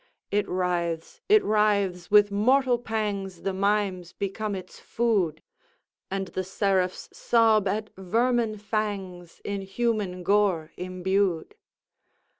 It writhes!—it writhes!—with mortal pangs The mimes become its food, And the seraphs sob at vermin fangs In human gore imbued.